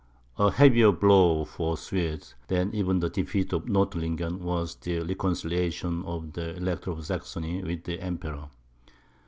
A heavier blow for the Swedes, than even the defeat of Nordlingen, was the reconciliation of the Elector of Saxony with the Emperor.